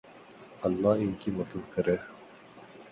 اللہ ان کی مدد کرے